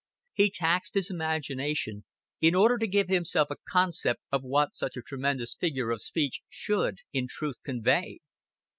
He taxed his imagination in order to give himself a concept of what such a tremendous figure of speech should in truth convey.